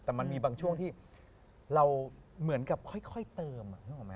แต่มันมีบางช่วงที่เราเหมือนกับค่อยเติม